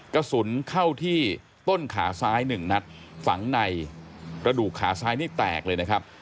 กระสุนเข้าที่ต้นขาซ้ายหนึ่งนัดฝังในกระดูกขาซ้ายนี่แตกเลยนะครับ